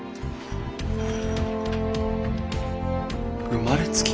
生まれつき？